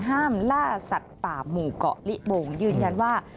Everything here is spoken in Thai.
ห้ามล่าสัตว์ป่ามูเกาะลิบลงยืนยันว่า